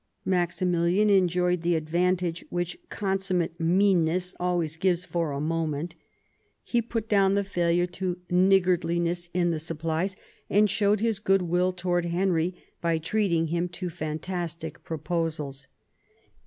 Maximilian enjoyed the advantage which consummate meanness always gives for a moment He put down the failure to niggardli in THE UNIVERSAL PEACE 43 ness in the supplies, and showed his goodwill towards Henry by treating him to fantastic proposals.